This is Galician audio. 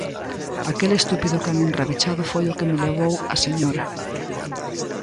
Aquel estúpido can enrabechado foi o que me levou á señora.